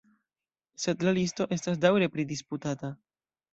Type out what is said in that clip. Sed la listo estas daŭre pridisputata.